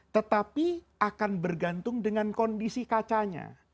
tetapi akan bergantung dengan kondisi kacanya